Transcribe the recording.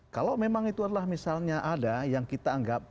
kalau memang itu adalah misalnya ada yang kita anggap